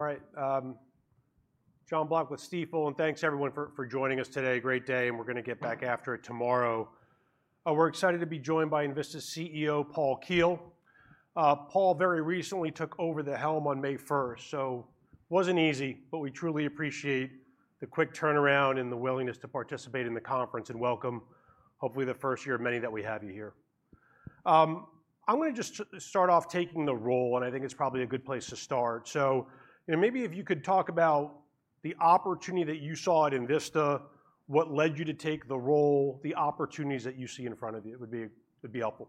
All right, Jon Block with Stifel, and thanks everyone for joining us today. Great day, and we're gonna get back after it tomorrow. We're excited to be joined by Envista's CEO, Paul Keel. Paul very recently took over the helm on May first. So wasn't easy, but we truly appreciate the quick turnaround and the willingness to participate in the conference, and welcome, hopefully, the first year of many that we have you here. I'm gonna just start off taking the role, and I think it's probably a good place to start. So, you know, maybe if you could talk about the opportunity that you saw at Envista, what led you to take the role, the opportunities that you see in front of you, would be helpful.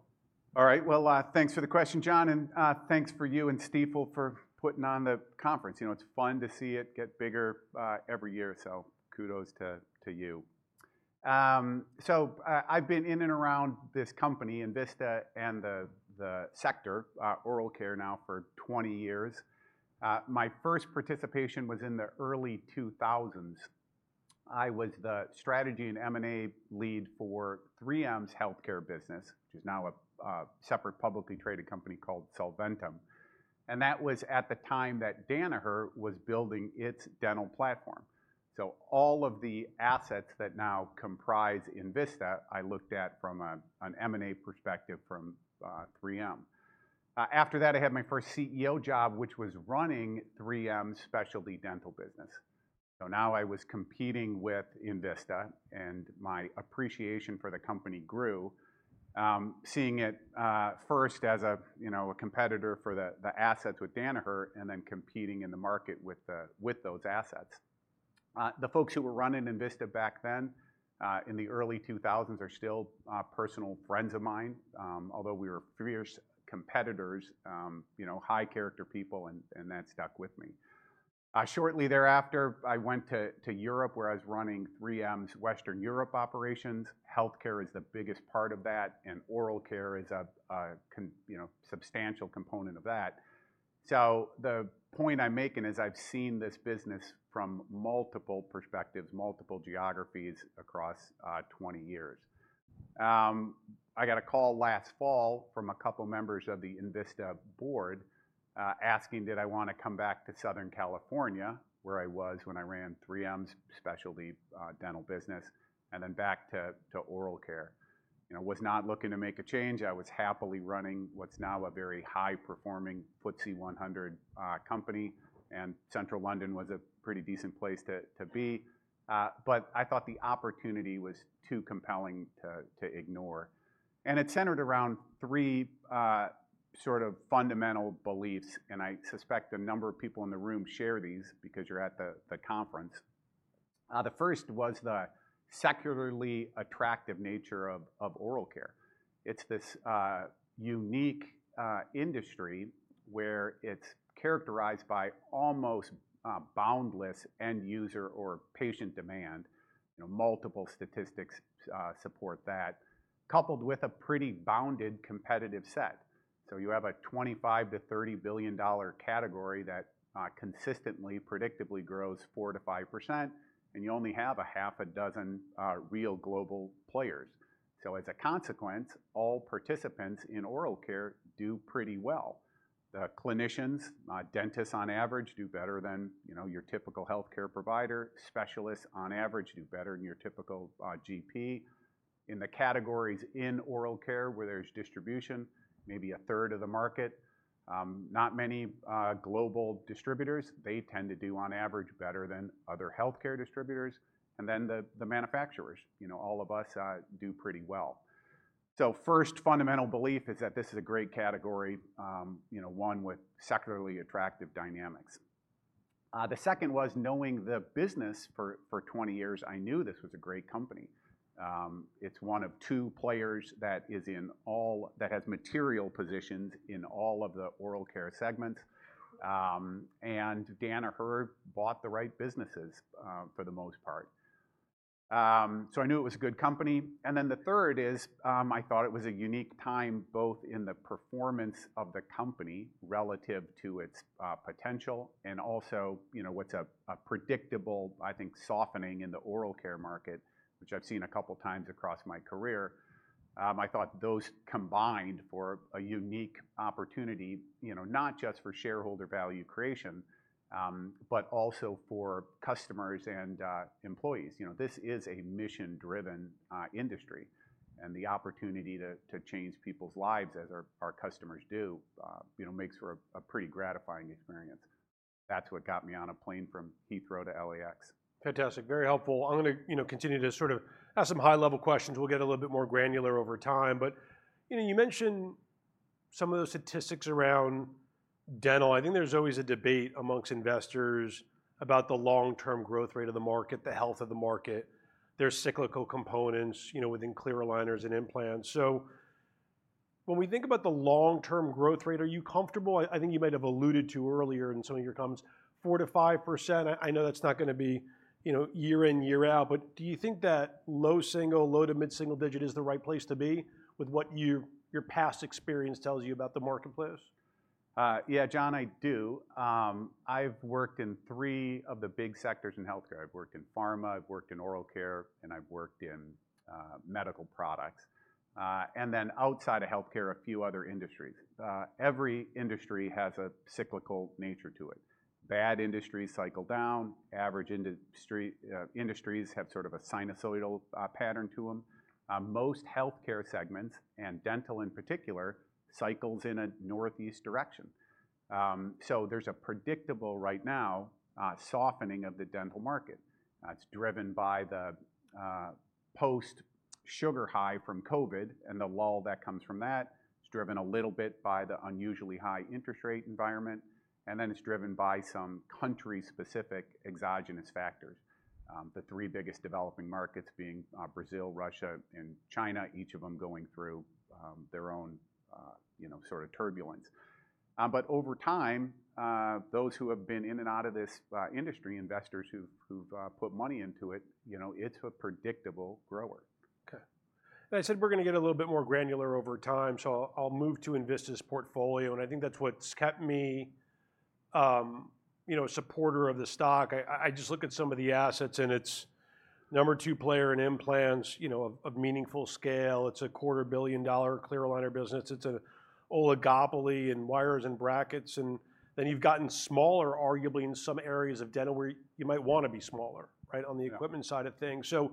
All right. Well, thanks for the question, Jon, and thanks to you and Stifel for putting on the conference. You know, it's fun to see it get bigger every year, so kudos to you. So, I've been in and around this company, Envista, and the sector, oral care, now for 20 years. My first participation was in the early 2000s. I was the strategy and M&A lead for 3M's healthcare business, which is now a separate publicly traded company called Solventum, and that was at the time that Danaher was building its dental platform. So all of the assets that now comprise Envista, I looked at from an M&A perspective from 3M. After that, I had my first CEO job, which was running 3M's specialty dental business. So now I was competing with Envista, and my appreciation for the company grew. Seeing it, first as a, you know, a competitor for the assets with Danaher, and then competing in the market with those assets. The folks who were running Envista back then, in the early 2000s, are still personal friends of mine. Although we were fierce competitors, you know, high character people, and that stuck with me. Shortly thereafter, I went to Europe, where I was running 3M's Western Europe operations. Healthcare is the biggest part of that, and oral care is a you know, substantial component of that. So the point I'm making is I've seen this business from multiple perspectives, multiple geographies across 20 years. I got a call last fall from a couple members of the Envista board, asking, did I wanna come back to Southern California, where I was when I ran 3M's specialty dental business, and then back to oral care. You know, was not looking to make a change. I was happily running what's now a very high-performing FTSE 100 company, and Central London was a pretty decent place to be. But I thought the opportunity was too compelling to ignore, and it centered around three sort of fundamental beliefs, and I suspect a number of people in the room share these because you're at the conference. The first was the secularly attractive nature of oral care. It's this unique industry, where it's characterized by almost boundless end-user or patient demand, you know, multiple statistics support that, coupled with a pretty bounded competitive set. So you have a $25 billion-$30 billion category that consistently, predictably grows 4%-5%, and you only have six real global players. So as a consequence, all participants in oral care do pretty well. The clinicians, dentists on average, do better than, you know, your typical healthcare provider. Specialists, on average, do better than your typical GP. In the categories in oral care, where there's distribution, maybe a third of the market, not many global distributors. They tend to do, on average, better than other healthcare distributors. And then the manufacturers. You know, all of us do pretty well. First fundamental belief is that this is a great category, you know, one with secularly attractive dynamics. The second was knowing the business for 20 years, I knew this was a great company. It's one of two players that has material positions in all of the oral care segments. Danaher bought the right businesses, for the most part. I knew it was a good company, and then the third is, I thought it was a unique time, both in the performance of the company relative to its potential and also, you know, what's a predictable, I think, softening in the oral care market, which I've seen a couple times across my career. I thought those combined for a unique opportunity, you know, not just for shareholder value creation, but also for customers and employees. You know, this is a mission-driven industry, and the opportunity to change people's lives as our customers do, you know, makes for a pretty gratifying experience. That's what got me on a plane from Heathrow to LAX. Fantastic. Very helpful. I'm gonna, you know, continue to sort of ask some high-level questions. We'll get a little bit more granular over time, but, you know, you mentioned some of those statistics around dental. I think there's always a debate among investors about the long-term growth rate of the market, the health of the market, there's cyclical components, you know, within clear aligners and implants. So when we think about the long-term growth rate, are you comfortable... I, I think you might have alluded to earlier in some of your comments, 4%-5%. I, I know that's not gonna be, you know, year in, year out, but do you think that low single, low to mid-single digit is the right place to be with what your, your past experience tells you about the marketplace?... Yeah, Jon, I do. I've worked in three of the big sectors in healthcare. I've worked in pharma, I've worked in oral care, and I've worked in, medical products. And then outside of healthcare, a few other industries. Every industry has a cyclical nature to it. Bad industries cycle down, average industries have sort of a sinusoidal pattern to them. Most healthcare segments, and dental in particular, cycles in a northeast direction. So there's a predictable, right now, softening of the dental market. It's driven by the post-sugar high from COVID, and the lull that comes from that. It's driven a little bit by the unusually high interest rate environment, and then it's driven by some country-specific exogenous factors. The three biggest developing markets being Brazil, Russia, and China, each of them going through their own, you know, sort of turbulence. But over time, those who have been in and out of this industry, investors who've put money into it, you know, it's a predictable grower. Okay. I said we're gonna get a little bit more granular over time, so I'll move to Envista's portfolio, and I think that's what's kept me, you know, a supporter of the stock. I just look at some of the assets, and it's number two player in implants, you know, of meaningful scale. It's a $250 million clear aligner business. It's an oligopoly in wires and brackets, and then you've gotten smaller, arguably, in some areas of dental where you might wanna be smaller, right- Yeah... on the equipment side of things. So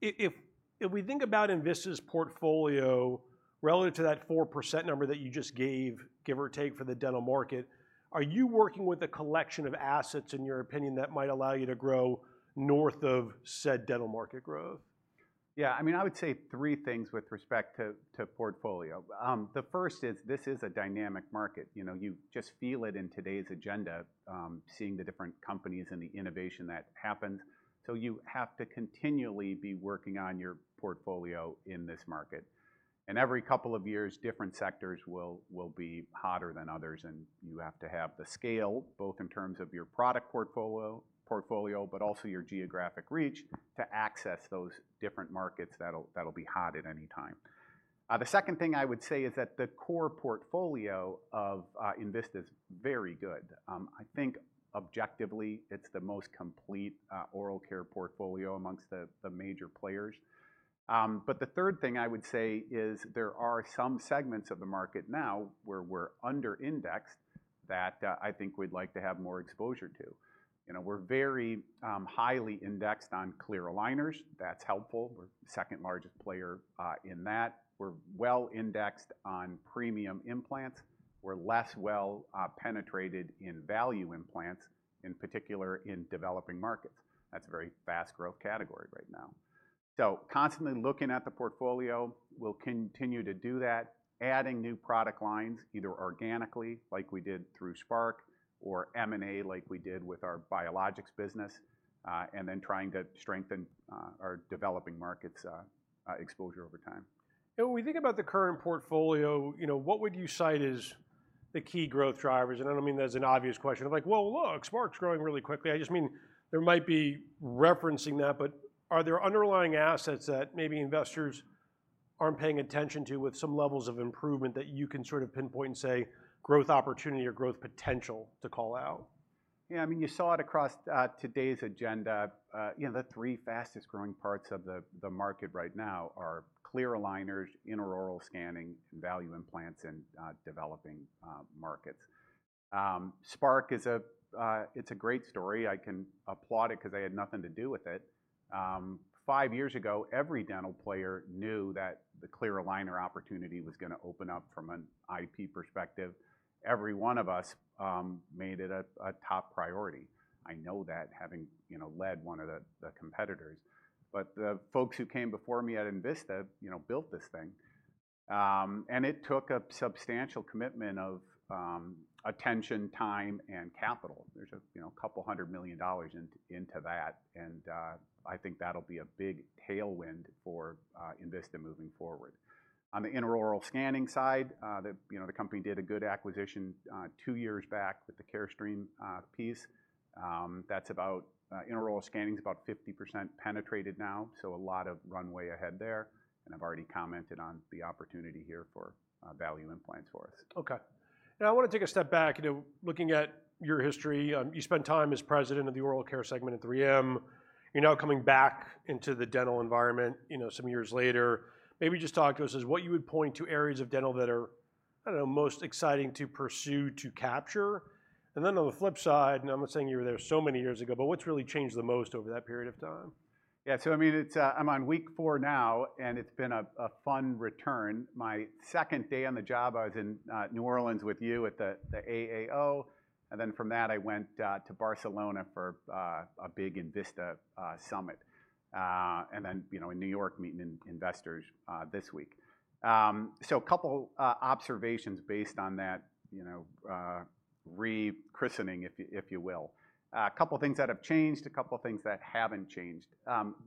if we think about Envista's portfolio relative to that 4% number that you just gave, give or take, for the dental market, are you working with a collection of assets, in your opinion, that might allow you to grow north of said dental market growth? Yeah, I mean, I would say three things with respect to, to portfolio. The first is, this is a dynamic market. You know, you just feel it in today's agenda, seeing the different companies and the innovation that happened. So you have to continually be working on your portfolio in this market. And every couple of years, different sectors will, will be hotter than others, and you have to have the scale, both in terms of your product portfolio, portfolio, but also your geographic reach, to access those different markets that'll, that'll be hot at any time. The second thing I would say is that the core portfolio of, Envista is very good. I think objectively, it's the most complete, oral care portfolio amongst the, the major players. But the third thing I would say is there are some segments of the market now, where we're under indexed, that, I think we'd like to have more exposure to. You know, we're very, highly indexed on clear aligners. That's helpful. We're second largest player, in that. We're well indexed on premium implants. We're less well, penetrated in value implants, in particular, in developing markets. That's a very fast growth category right now. So constantly looking at the portfolio, we'll continue to do that, adding new product lines, either organically, like we did through Spark, or M&A, like we did with our biologics business, and then trying to strengthen, our developing markets', exposure over time. And when we think about the current portfolio, you know, what would you cite as the key growth drivers? And I don't mean that as an obvious question, like, "Well, look, Spark's growing really quickly." I just mean, there might be referencing that, but are there underlying assets that maybe investors aren't paying attention to, with some levels of improvement, that you can sort of pinpoint and say, growth opportunity or growth potential to call out? Yeah, I mean, you saw it across today's agenda. You know, the three fastest growing parts of the market right now are clear aligners, intraoral scanning, value implants, and developing markets. Spark is a great story. I can applaud it 'cause I had nothing to do with it. Five years ago, every dental player knew that the clear aligner opportunity was gonna open up from an IP perspective. Every one of us made it a top priority. I know that, having you know led one of the competitors. But the folks who came before me at Envista, you know, built this thing. And it took a substantial commitment of attention, time, and capital. There's a, you know, couple hundred million dollars into that, and I think that'll be a big tailwind for Envista moving forward. On the intraoral scanning side, the, you know, the company did a good acquisition two years back, with the Carestream piece. That's about intraoral scanning is about 50% penetrated now, so a lot of runway ahead there, and I've already commented on the opportunity here for value implants for us. Okay. Now, I wanna take a step back. You know, looking at your history, you spent time as president of the oral care segment at 3M. You're now coming back into the dental environment, you know, some years later. Maybe just talk to us as what you would point to areas of dental that are, I don't know, most exciting to pursue, to capture. And then on the flip side, and I'm not saying you were there so many years ago, but what's really changed the most over that period of time? Yeah, so I mean, it's, I'm on week four now, and it's been a fun return. My second day on the job, I was in New Orleans with you at the AAO, and then from that, I went to Barcelona for a big Envista summit. And then, you know, in New York, meeting investors this week. So a couple observations based on that, you know, rechristening, if you will. A couple of things that have changed, a couple of things that haven't changed.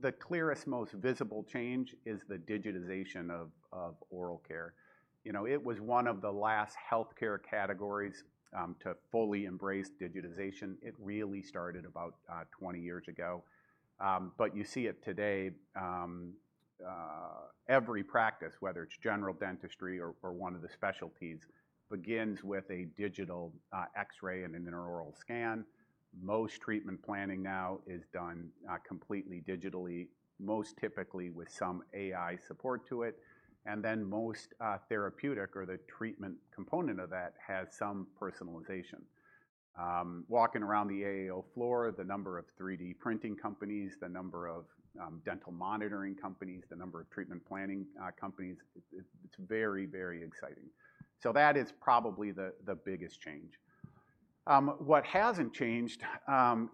The clearest, most visible change is the digitization of oral care. You know, it was one of the last healthcare categories to fully embrace digitization. It really started about 20 years ago. But you see it today, every practice, whether it's general dentistry or one of the specialties, begins with a digital X-ray and an intraoral scan. Most treatment planning now is done completely digitally, most typically with some AI support to it, and then most therapeutic or the treatment component of that has some personalization. Walking around the AAO floor, the number of 3D printing companies, the number of dental monitoring companies, the number of treatment planning companies, it's very, very exciting. So that is probably the biggest change. What hasn't changed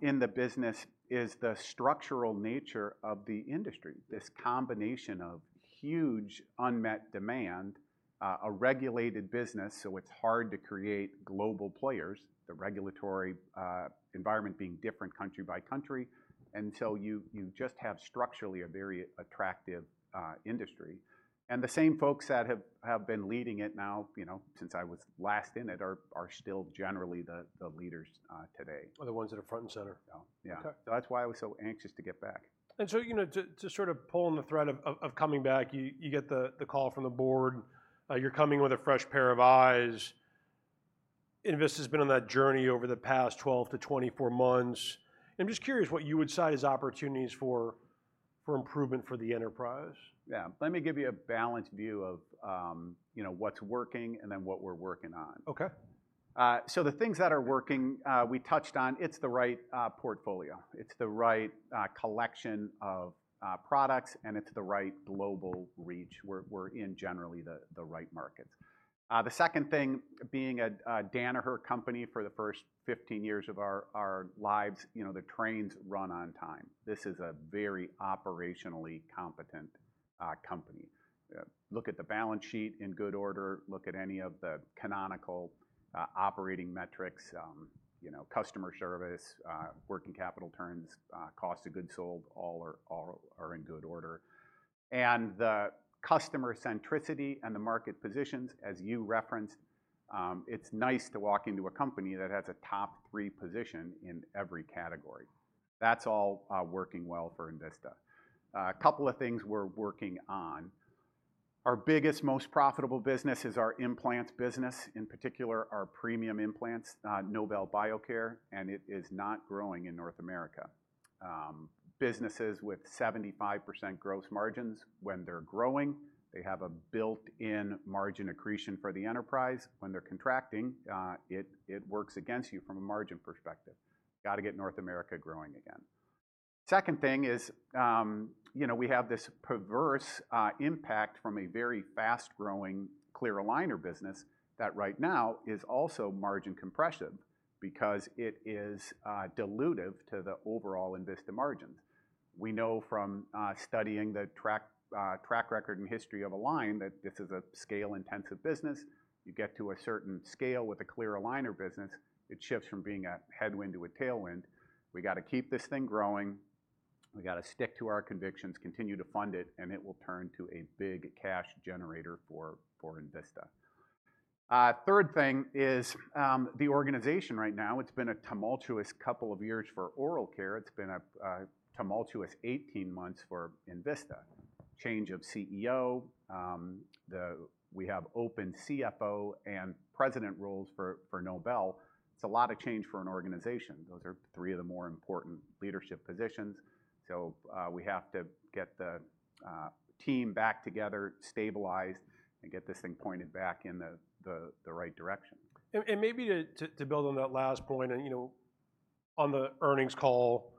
in the business is the structural nature of the industry. This combination of huge unmet demand, a regulated business, so it's hard to create global players, the regulatory environment being different country by country, and so you, you just have structurally a very attractive industry. And the same folks that have, have been leading it now, you know, since I was last in it, are, are still generally the, the leaders today. Are the ones that are front and center? Yeah. Okay. That's why I was so anxious to get back. And so, you know, to sort of pull on the thread of coming back, you get the call from the board. You're coming with a fresh pair of eyes. Envista's been on that journey over the past 12-24 months. I'm just curious what you would cite as opportunities for improvement for the enterprise? Yeah. Let me give you a balanced view of, you know, what's working and then what we're working on. Okay. So the things that are working, we touched on, it's the right portfolio. It's the right collection of products, and it's the right global reach, we're in generally the right markets. The second thing, being a Danaher company for the first 15 years of our lives, you know, the trains run on time. This is a very operationally competent company. Look at the balance sheet in good order, look at any of the canonical operating metrics, you know, customer service, working capital terms, cost of goods sold, all are in good order. And the customer centricity and the market positions, as you referenced, it's nice to walk into a company that has a top three position in every category. That's all working well for Envista. A couple of things we're working on. Our biggest, most profitable business is our implants business, in particular, our premium implants, Nobel Biocare, and it is not growing in North America. Businesses with 75% gross margins, when they're growing, they have a built-in margin accretion for the enterprise. When they're contracting, it works against you from a margin perspective. Gotta get North America growing again. Second thing is, you know, we have this perverse impact from a very fast-growing clear aligner business that right now is also margin compressive because it is dilutive to the overall Envista margins. We know from studying the track record and history of Align, that this is a scale-intensive business. You get to a certain scale with a clear aligner business, it shifts from being a headwind to a tailwind. We gotta keep this thing growing. We gotta stick to our convictions, continue to fund it, and it will turn to a big cash generator for Envista. Third thing is the organization right now. It's been a tumultuous couple of years for oral care. It's been a tumultuous 18 months for Envista. Change of CEO. We have open CFO and president roles for Nobel. It's a lot of change for an organization. Those are three of the more important leadership positions. So, we have to get the team back together, stabilized, and get this thing pointed back in the right direction. And maybe to build on that last point and, you know, on the earnings call,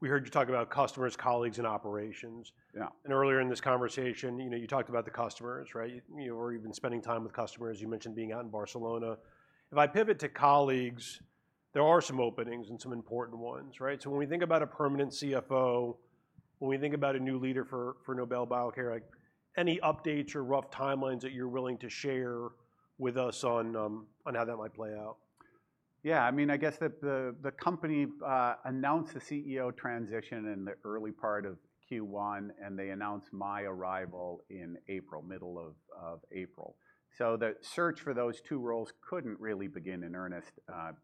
we heard you talk about customers, colleagues, and operations. Yeah. Earlier in this conversation, you know, you talked about the customers, right? You know, or you've been spending time with customers. You mentioned being out in Barcelona. If I pivot to colleagues, there are some openings and some important ones, right? So when we think about a permanent CFO, when we think about a new leader for, for Nobel Biocare, like, any updates or rough timelines that you're willing to share with us on, on how that might play out? Yeah, I mean, I guess that the company announced the CEO transition in the early part of Q1, and they announced my arrival in April, middle of April. So the search for those two roles couldn't really begin in earnest,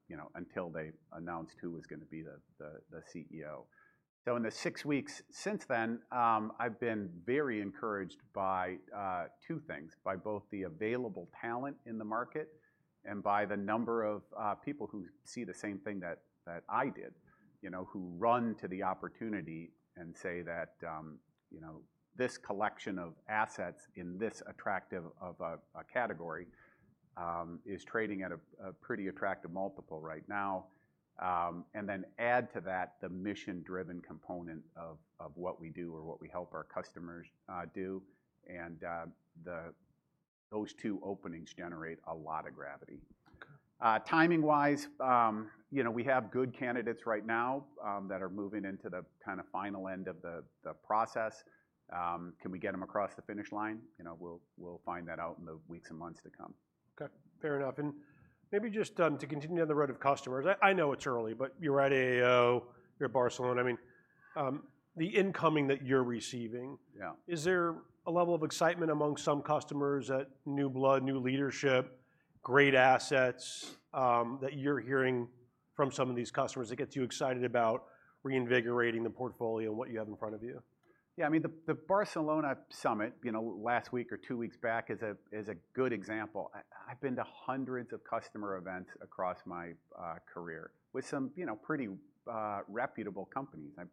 you know, until they announced who was gonna be the CEO. So in the six weeks since then, I've been very encouraged by two things: by both the available talent in the market and by the number of people who see the same thing that I did. You know, who run to the opportunity and say that, you know, this collection of assets in this attractive of a category is trading at a pretty attractive multiple right now. And then add to that the mission-driven component of what we do or what we help our customers do, and those two openings generate a lot of gravity. Okay. Timing-wise, you know, we have good candidates right now that are moving into the kinda final end of the process. Can we get them across the finish line? You know, we'll find that out in the weeks and months to come. Okay, fair enough. And maybe just to continue down the road of customers, I know it's early, but you were at AAO, you were at Barcelona. I mean, the incoming that you're receiving- Yeah. Is there a level of excitement among some customers, that new blood, new leadership, great assets, that you're hearing from some of these customers, that gets you excited about reinvigorating the portfolio and what you have in front of you? Yeah, I mean, the Barcelona summit, you know, last week or two weeks back, is a good example. I've been to hundreds of customer events across my career with some, you know, pretty reputable companies. I've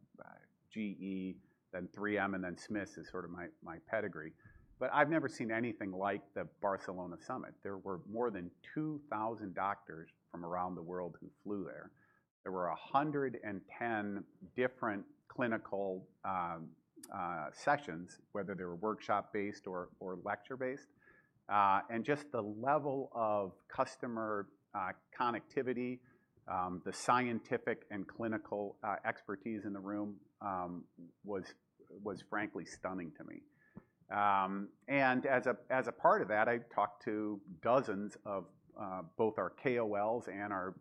GE, then 3M, and then Smiths is sort of my pedigree, but I've never seen anything like the Barcelona summit. There were more than 2,000 doctors from around the world who flew there. There were 110 different clinical sessions, whether they were workshop-based or lecture-based. And just the level of customer connectivity, the scientific and clinical expertise in the room, was frankly stunning to me. And as a part of that, I talked to dozens of both our KOLs and our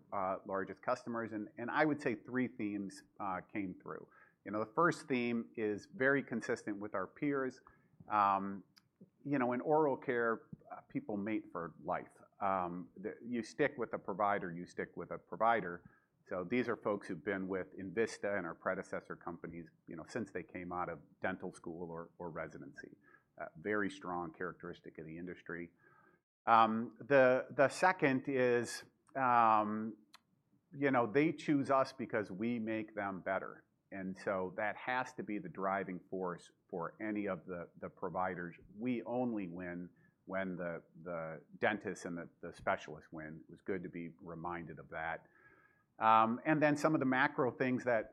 largest customers, and I would say three themes came through. You know, the first theme is very consistent with our peers. You know, in oral care, people mate for life. You stick with a provider, you stick with a provider. So these are folks who've been with Envista and our predecessor companies, you know, since they came out of dental school or residency. Very strong characteristic in the industry. The second is, you know, they choose us because we make them better, and so that has to be the driving force for any of the providers. We only win when the dentists and the specialists win. It was good to be reminded of that. And then some of the macro things that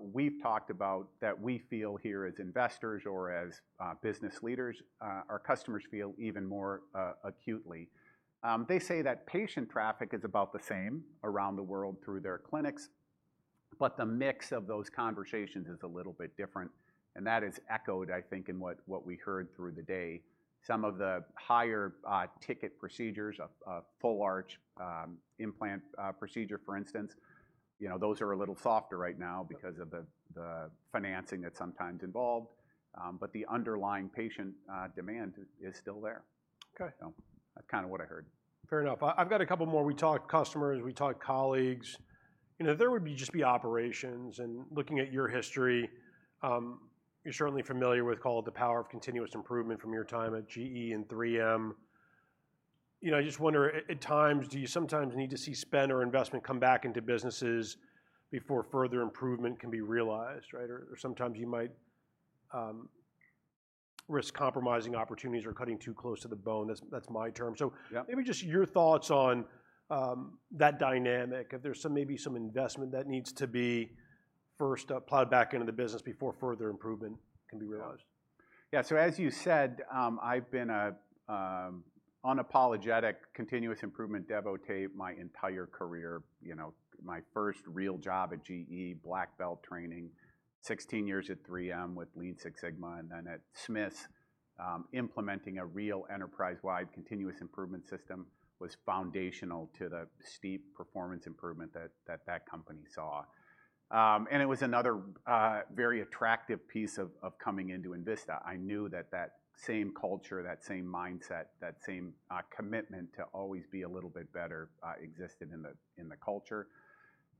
we've talked about that we feel here as investors or as business leaders, our customers feel even more acutely. They say that patient traffic is about the same around the world through their clinics, but the mix of those conversations is a little bit different, and that is echoed, I think, in what we heard through the day. Some of the higher ticket procedures, a full arch implant procedure, for instance, you know, those are a little softer right now because of the financing that's sometimes involved. But the underlying patient demand is still there. Okay. That's kinda what I heard. Fair enough. I've got a couple more. We talked customers, we talked colleagues. You know, there would be just operations, and looking at your history, you're certainly familiar with call it the power of continuous improvement from your time at GE and 3M. You know, I just wonder at times, do you sometimes need to see spend or investment come back into businesses before further improvement can be realized, right? Or sometimes you might risk compromising opportunities or cutting too close to the bone. That's my term. So- Yeah... maybe just your thoughts on, that dynamic. If there's some, maybe some investment that needs to be first, plowed back into the business before further improvement can be realized. Yeah. So, as you said, I've been a unapologetic, continuous improvement devotee my entire career. You know, my first real job at GE, Black Belt training, 16 years at 3M with Lean Six Sigma, and then at Smiths, implementing a real enterprise-wide continuous improvement system was foundational to the steep performance improvement that, that that company saw. And it was another, very attractive piece of, of coming into Envista. I knew that that same culture, that same mindset, that same, commitment to always be a little bit better, existed in the, in the culture.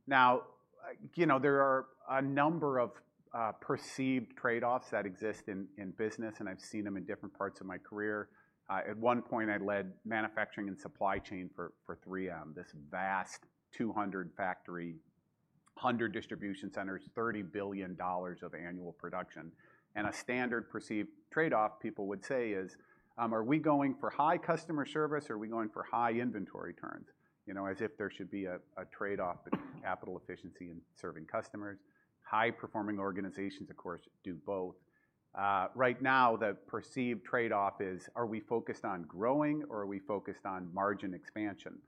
Now, you know, there are a number of, perceived trade-offs that exist in, in business, and I've seen them in different parts of my career. At one point, I led manufacturing and supply chain for 3M, this vast 200-factory, 100 distribution centers, $30 billion of annual production. A standard perceived trade-off, people would say, is, "Are we going for high customer service, or are we going for high inventory turns?" You know, as if there should be a trade-off between capital efficiency and serving customers. High-performing organizations, of course, do both. Right now, the perceived trade-off is: Are we focused on growing, or are we focused on margin expansion?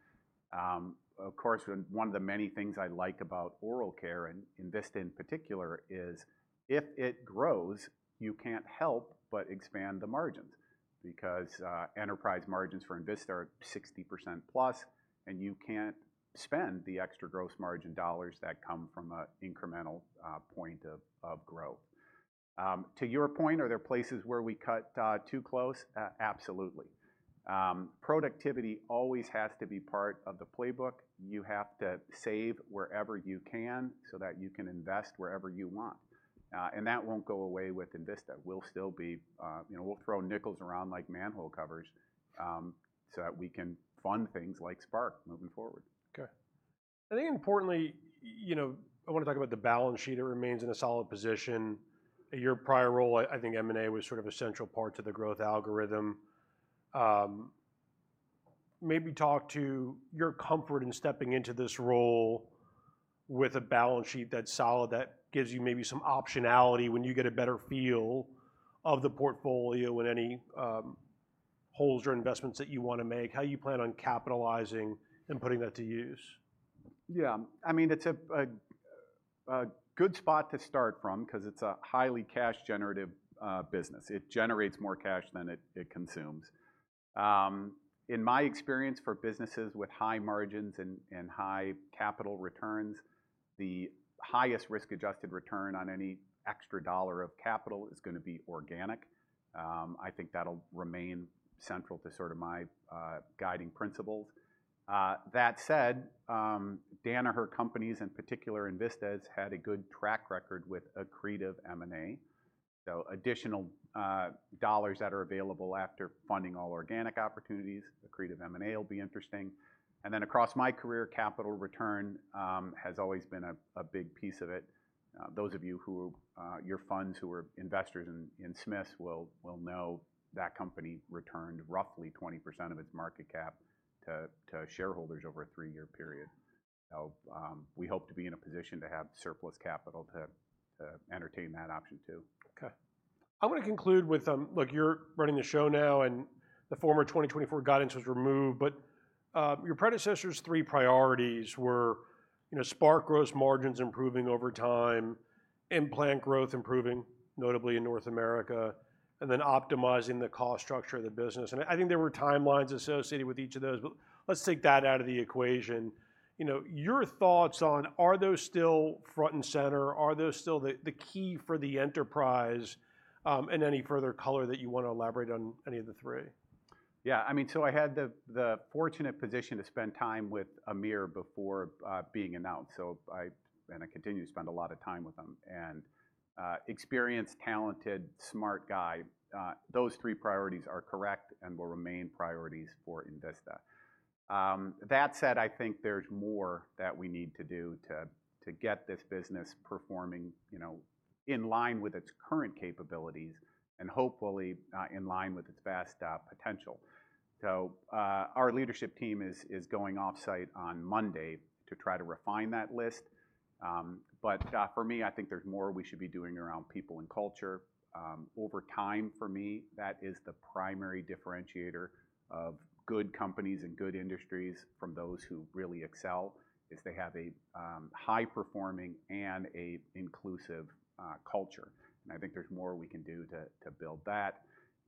Of course, one of the many things I like about oral care and Envista in particular is, if it grows, you can't help but expand the margins because enterprise margins for Envista are 60%+, and you can't spend the extra gross margin dollars that come from an incremental point of growth. To your point, are there places where we cut too close? Absolutely. Productivity always has to be part of the playbook. You have to save wherever you can so that you can invest wherever you want. And that won't go away with Envista. We'll still be, you know, we'll throw nickels around like manhole covers, so that we can fund things like Spark moving forward. Okay. I think importantly, you know, I wanna talk about the balance sheet. It remains in a solid position. Your prior role, I think M&A was sort of a central part to the growth algorithm. Maybe talk to your comfort in stepping into this role with a balance sheet that's solid, that gives you maybe some optionality when you get a better feel of the portfolio and any holes or investments that you wanna make. How you plan on capitalizing and putting that to use? Yeah, I mean, it's a good spot to start from 'cause it's a highly cash generative business. It generates more cash than it consumes. In my experience, for businesses with high margins and high capital returns, the highest risk-adjusted return on any extra dollar of capital is gonna be organic. I think that'll remain central to sort of my guiding principles. That said, Danaher companies in particular, and Envista had a good track record with accretive M&A. So additional dollars that are available after funding all organic opportunities, accretive M&A will be interesting. And then across my career, capital return has always been a big piece of it. Those of you who your funds who were investors in Smiths will know that company returned roughly 20% of its market cap to shareholders over a three-year period. So, we hope to be in a position to have surplus capital to entertain that option too. Okay. I wanna conclude with, look, you're running the show now, and the former 2024 guidance was removed, but your predecessor's three priorities were, you know, Spark gross margins improving over time, implant growth improving, notably in North America, and then optimizing the cost structure of the business. And I think there were timelines associated with each of those, but let's take that out of the equation. You know, your thoughts on, are those still front and center? Are those still the key for the enterprise, and any further color that you wanna elaborate on any of the three? Yeah, I mean, so I had the fortunate position to spend time with Amir before being announced, so I and I continue to spend a lot of time with him, and experienced, talented, smart guy. Those three priorities are correct and will remain priorities for Envista. That said, I think there's more that we need to do to get this business performing, you know, in line with its current capabilities and hopefully in line with its best potential. So our leadership team is going off-site on Monday to try to refine that list. But for me, I think there's more we should be doing around people and culture. Over time, for me, that is the primary differentiator of good companies and good industries from those who really excel, is they have a high-performing and an inclusive culture, and I think there's more we can do to build that.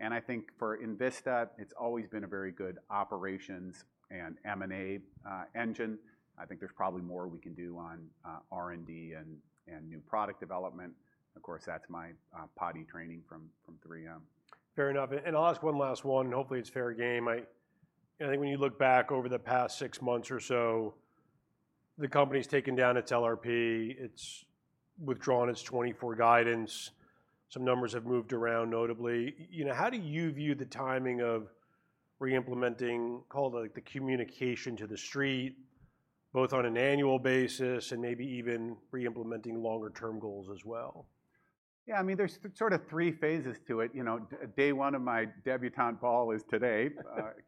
I think for Envista, it's always been a very good operations and M&A engine. I think there's probably more we can do on R&D and new product development. Of course, that's my potty training from 3M. Fair enough, and I'll ask one last one, and hopefully, it's fair game. I think when you look back over the past six months or so, the company's taken down its LRP, it's withdrawn its 2024 guidance. Some numbers have moved around, notably. You know, how do you view the timing of re-implementing, call it, like, the communication to the street, both on an annual basis and maybe even re-implementing longer term goals as well? Yeah, I mean, there's sort of three phases to it. You know, day one of my debutante ball is today,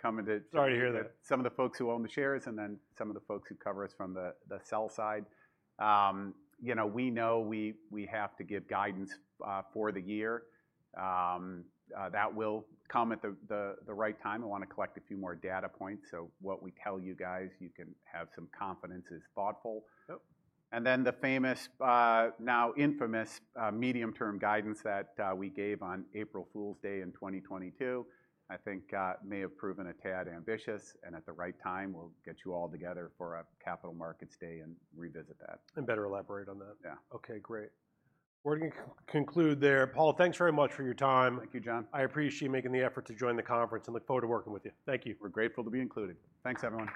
coming to- Sorry to hear that.... some of the folks who own the shares, and then some of the folks who cover us from the sell side. You know, we know we have to give guidance for the year. That will come at the right time. I wanna collect a few more data points, so what we tell you guys, you can have some confidence is thoughtful. Yep. Then the famous, now infamous, medium-term guidance that we gave on April Fool's Day in 2022, I think, may have proven a tad ambitious, and at the right time, we'll get you all together for a capital markets day and revisit that. And better elaborate on that. Yeah. Okay, great. We're gonna conclude there. Paul, thanks very much for your time. Thank you, Jon. I appreciate you making the effort to join the conference and look forward to working with you. Thank you. We're grateful to be included. Thanks, everyone.